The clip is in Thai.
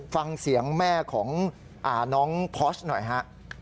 ฟังเสียงแม่ของน้องพอร์ชหน่อยฮะ